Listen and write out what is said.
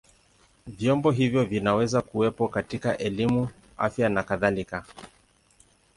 Vyombo hivyo vinaweza kuwepo katika elimu, afya na kadhalika.